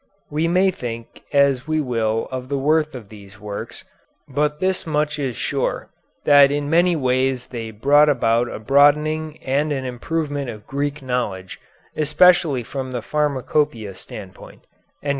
We may think as we will of the worth of these works, but this much is sure, that in many ways they brought about a broadening and an improvement of Greek knowledge, especially from the pharmacopeia standpoint."